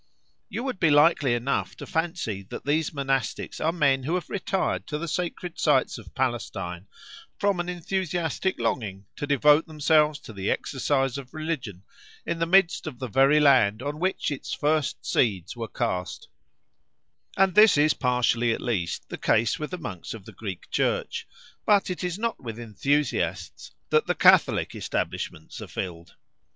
You would be likely enough to fancy that these monastics are men who have retired to the sacred sites of Palestine from an enthusiastic longing to devote themselves to the exercise of religion in the midst of the very land on which its first seeds were cast; and this is partially, at least, the case with the monks of the Greek Church, but it is not with enthusiasts that the Catholic establishments are filled.